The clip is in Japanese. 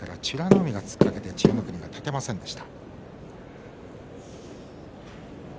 海が突っかけて千代の国が立てませんでした。